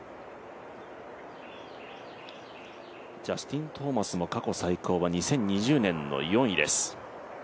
ジャスティン・トーマスも過去最高は２０２０年の４位です。